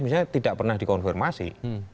misalnya tidak pernah dikonfirmasi